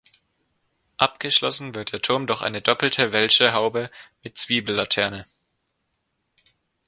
Abgeschlossen wird der Turm durch eine doppelte Welsche Haube mit Zwiebellaterne.